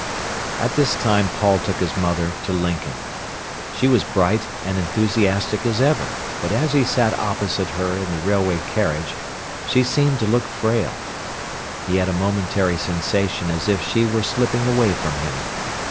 At this time Paul took his mother to Lincoln. She was bright and enthusiastic as ever, but as he sat opposite her in the railway carriage, she seemed to look frail. He had a momentary sensation as if she were slipping away from him.